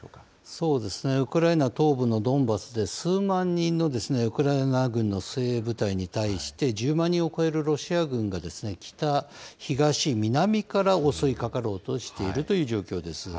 そうですね、ウクライナ東部のドンバスで数万人のウクライナ軍の精鋭部隊に対して、１０万人を超えるロシア軍が北、東、南から襲いかかろうとしているという状況です。